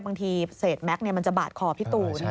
บางทีเศษแม็กซ์มันจะบาดคอพี่ตูน